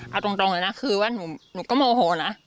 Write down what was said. เอาตรงเลยนะคือว่าหนูก็โมโหนะ